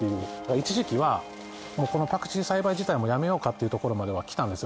一時期はこのパクチー栽培自体もうやめようかっていうところまではきたんですよ